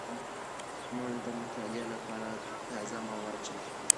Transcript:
موږ د مطالعې لپاره تازه مواد چمتو کوو.